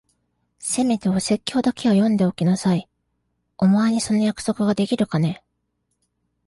せめてお説教だけは読んでおきなさい。お前にその約束ができるかね？